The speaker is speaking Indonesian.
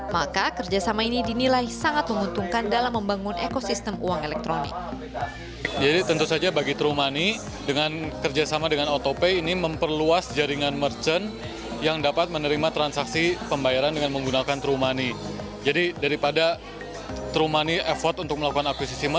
maka kerjasama ini dinilai sangat menguntungkan dalam membangun ekosistem uang elektronik